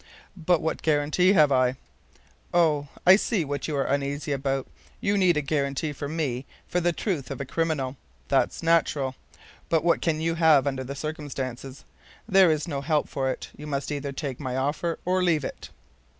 "But what guarantee have I?" "Oh, I see what you are uneasy about. You need a guarantee for me, for the truth of a criminal. That's natural. But what can you have under the circumstances. There is no help for it, you must either take my offer or leave it."